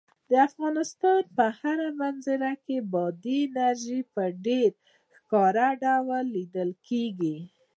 د افغانستان په هره منظره کې بادي انرژي په ډېر ښکاره ډول لیدل کېږي.